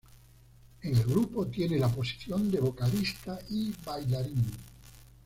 En el grupo tiene la posición de vocalista y bailarín.